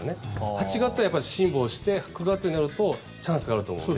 ８月は辛抱して９月になるとチャンスがあると思います。